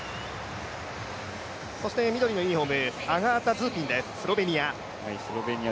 緑のユニフォームアガータ・ズーピン、スロベニア。